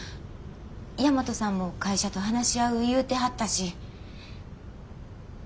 大和さんも会社と話し合う言うてはったし。